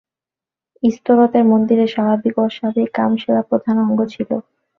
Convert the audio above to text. ইস্তরতের মন্দিরে স্বাভাবিক ও অস্বাভাবিক কামসেবা প্রধান অঙ্গ ছিল।